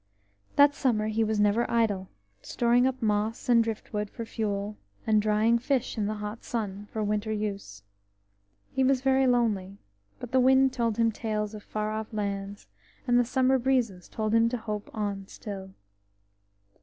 That summer he was never idle, storing up moss and drift wood for fuel, and drying fish in the hot sun for winter use. He was very lonely, but the wind told him tales of far off lands, and the summer breezes told him to hope on still.